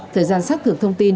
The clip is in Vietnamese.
thời gian xác thực thông tin